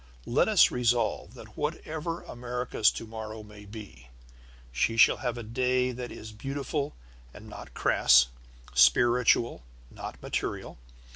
Let us resolve that whatever America's to morrow may be, she shall have a day that is beautiful and not crass, spiritual, not material.